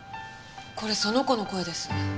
これその子の声です。